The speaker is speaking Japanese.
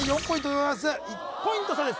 １ポイント差です